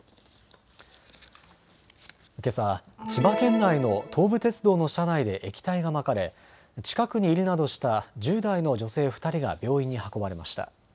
けさ千葉県内の東武鉄道の車内で液体がまかれ近くにいるなどした１０代の女性２人が病院に運ばれました。